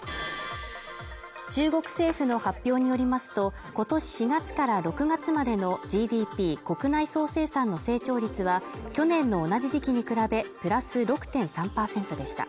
中国政府の発表によりますと、今年４月から６月までのＧＤＰ＝国内総生産の成長率は去年の同じ時期に比べプラス６．３％でした。